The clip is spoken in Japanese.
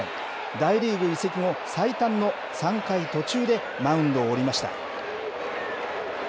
大リーグ移籍後、最短の３回途中でマウンドを降りました。